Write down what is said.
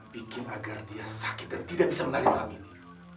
bikin agar dia sakit dan tidak bisa menari malam ini